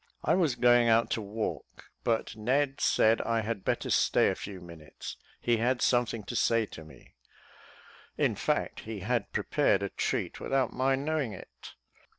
I was going out to walk, but Ned said I had better stay a few minutes; he had something to say to me; in fact, he had prepared a treat without my knowing it.